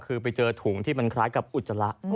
คือไปเจอถุงที่มันคล้ายกับอุจจาระ